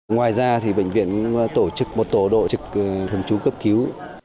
ngoài ra thì bệnh viện tổ chức một tổ độ trực thường chú cấp cứu